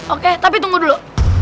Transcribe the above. oke tapi tunggu dulu